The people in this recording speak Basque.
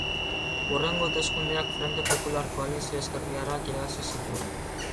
Hurrengo hauteskundeak Frente Popular koalizio ezkertiarrak irabazi zituen.